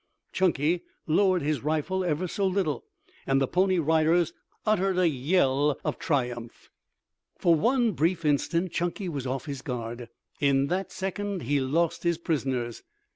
Chunky lowered his rifle ever so little, and the Pony Riders uttered a yell of triumph. For one brief instant Chunky was off his guard. In that second he lost his prisoners.